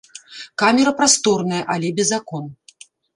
Камера прасторная, але без акон.